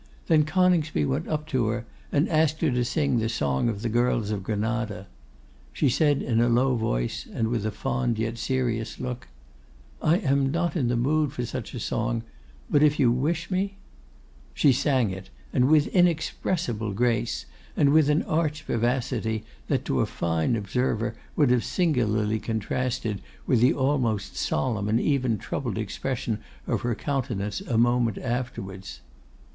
Then Coningsby went up to her and asked her to sing the song of the Girls of Granada. She said in a low voice, and with a fond yet serious look, 'I am not in the mood for such a song, but if you wish me ' She sang it, and with inexpressible grace, and with an arch vivacity, that to a fine observer would have singularly contrasted with the almost solemn and even troubled expression of her countenance a moment afterwards.